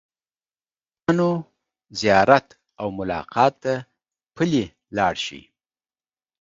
د دوستانو زیارت او ملاقات ته پلي لاړ شئ.